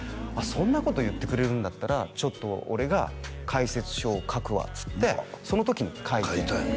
そんなこと言ってくれるんだったらちょっと俺が解説書を書くわっつってその時に書いて書いたんや？